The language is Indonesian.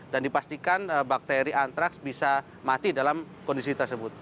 dan dipastikan bakteri antraks bisa mati dalam kondisi tersebut